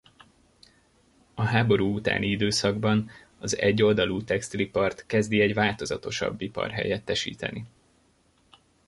A háború utáni időszakban az egyoldalú textilipart kezdi egy változatosabb ipar helyettesíteni.